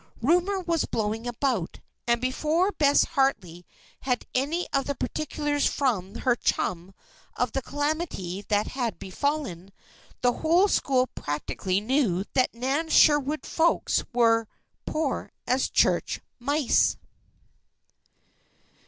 Rumor was blowing about, and before Bess Harley had any of the particulars from her chum of the calamity that had befallen, the whole school practically knew that Nan Sherwood's folks "were poor as church mice."